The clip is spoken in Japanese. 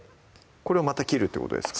これをまた切るってことですか？